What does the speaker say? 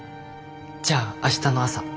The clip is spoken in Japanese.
じゃあ明日の朝。